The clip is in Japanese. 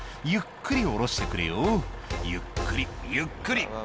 「ゆっくり下ろしてくれよゆっくりゆっくり」